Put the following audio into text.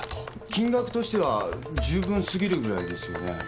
金額としては十分すぎるぐらいですよね。